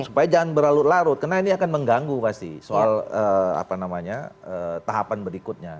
supaya jangan berlalu larut karena ini akan mengganggu pasti soal apa namanya tahapan berikutnya